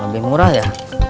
lebih murah ya